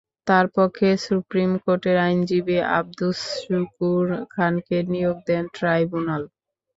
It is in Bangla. তাঁর পক্ষে সুপ্রিম কোর্টের আইনজীবী আবদুস শুকুর খানকে নিয়োগ দেন ট্রাইব্যুনাল।